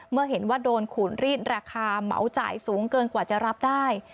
เมื่อเห็นว่าโดนขูนรีดราคาเหมาจ่ายสูงเกินกว่าจะรับได้